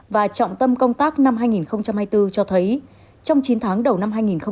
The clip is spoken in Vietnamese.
và trọng tâm công tác năm hai nghìn hai mươi bốn cho thấy trong chín tháng đầu năm hai nghìn hai mươi bốn